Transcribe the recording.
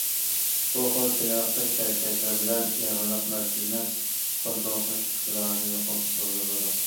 بۇ خىل چېنىقىش ھەرىكەتلىرى بىلەن ئېغىرلىق مەركىزىنى كونترول قىلىش ئىقتىدارىنى يۇقىرى كۆتۈرگىلى بولىدۇ.